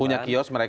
punya kios mereka